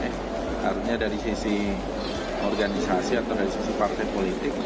harusnya dari sisi organisasi atau dari sisi partai politik